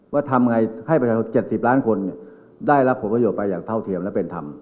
ทำไงให้ประชาชน๗๐ล้านคนได้รับผลประโยชน์ไปอย่างเท่าเทียมและเป็นธรรม